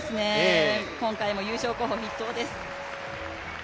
今回も優勝候補筆頭です。